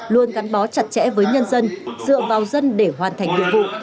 luôn gắn bó chặt chẽ với nhân dân dựa vào dân để hoàn thành nhiệm vụ